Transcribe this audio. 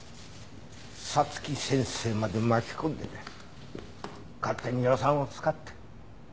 早月先生まで巻き込んで勝手に予算を使って。